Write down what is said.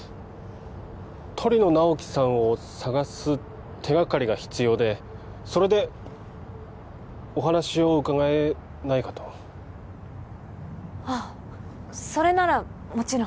鳥野直木さんを捜す手がかりが必要でそれでお話を伺えないかとああそれならもちろん